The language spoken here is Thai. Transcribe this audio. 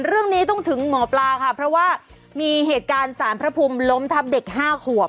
เรื่องนี้ต้องถึงหมอปลาค่ะเพราะว่ามีเหตุการณ์สารพระภูมิล้มทับเด็ก๕ขวบ